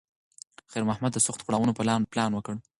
خیر محمد د سختو پړاوونو پلان وکړ.